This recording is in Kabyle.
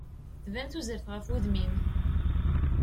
Tban tuzert ɣef udem-im.